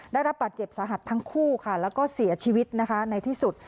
ได้รับบาดเจ็บสาหัสทั้งคู่ค่ะแล้วก็เสียชีวิตนะคะในที่สุด